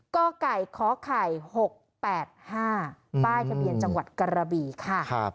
ก็ไก่เคาะไข่หกแปดห้าป้ายทะเบียนจังหวัดกรบีค่ะ